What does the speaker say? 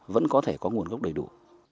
vẫn có thể có nguồn gốc đầy đủ